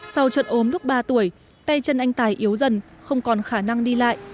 sau trận ốm lúc ba tuổi tay chân anh tài yếu dần không còn khả năng đi lại